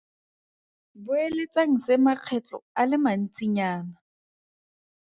Boeletsang se makgetlo a le mantsinyana.